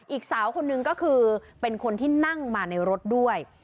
อีกสาวคนนึงก็คือเป็นคนที่นั่งมาในรถด้วย